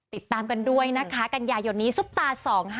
ติดตามกันด้วยนะคะกันยายนนี้ซุปตา๒๕๖